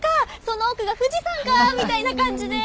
「その奥が富士山か」みたいな感じで。